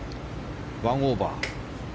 １オーバー。